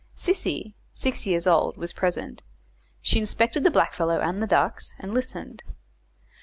Sissy, six years old, was present; she inspected the blackfellow and the ducks, and listened.